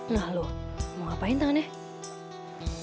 nah lo mau ngapain tangannya